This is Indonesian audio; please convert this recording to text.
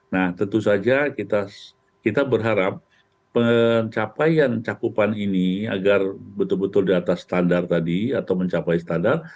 nah tentu saja kita berharap pencapaian cakupan ini agar betul betul di atas standar tadi atau mencapai standar